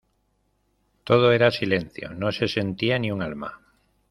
Todo era silencio, no se sentía ni un alma.